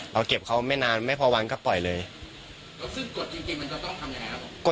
เราเก็บเขาไม่นานไม่พอวันก็ปล่อยเลยแล้วซึ่งกฎจริงจริงมันจะต้องทำยังไงครับ